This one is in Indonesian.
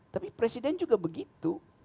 tapi presiden juga begitu